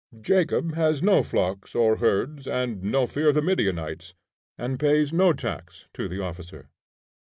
Jacob has no flocks or herds and no fear of the Midianites, and pays no tax to the officer.